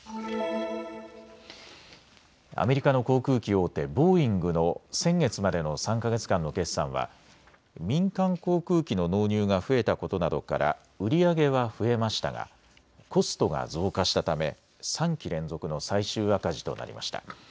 アメリカの航空機大手、ボーイングの先月までの３か月間の決算は民間航空機の納入が増えたことなどから売り上げは増えましたがコストが増加したため３期連続の最終赤字となりました。